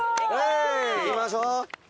行きましょう！